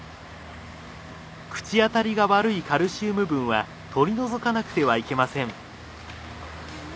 口当たりが悪いカルシウム分は取り除かなくてはいけません。